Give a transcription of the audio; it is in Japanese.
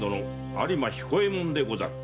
有馬彦右衛門でござる。